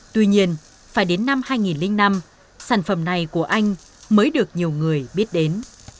tuy nhiên phải đến năm hai nghìn năm sản phẩm này của anh mới được nhiều người biết đến